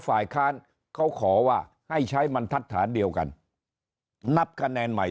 ฝ่ายค้านเขาขอว่าให้ใช้บรรทัศน์เดียวกันนับคะแนนใหม่